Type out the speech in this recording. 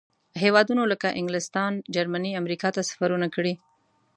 هېوادونو لکه انګلستان، جرمني، امریکا ته سفرونه کړي.